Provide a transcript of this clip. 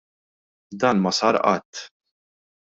Dan ma sar qatt.